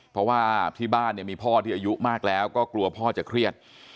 เพราะว่าที่บ้านเนี่ยมีพ่อที่อายุมากแล้วก็กลัวพ่อจะเครียด